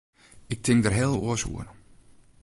Ik tink der heel oars oer.